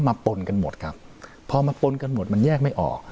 ปนกันหมดครับพอมาปนกันหมดมันแยกไม่ออก